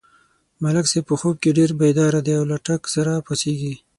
ملک صاحب په خوب کې ډېر بیداره دی، له ټک سره پا څېږي.